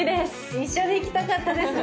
一緒に行きたかったですね。